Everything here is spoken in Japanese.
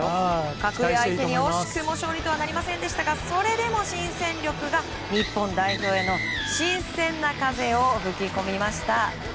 格上相手に勝利とはなりませんでしたがそれでも新戦力が日本代表への新鮮な風を吹き込みました。